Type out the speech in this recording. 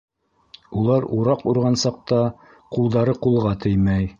Улар ураҡ урған саҡта ҡулдары ҡулға теймәй.